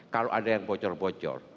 kalau ada yang bocor bocor